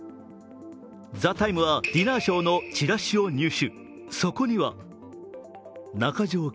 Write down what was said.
「ＴＨＥＴＩＭＥ，」はディナーショーのチラシを入手。